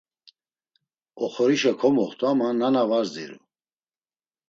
Oxorişa komoxt̆u, ama nana var ziru.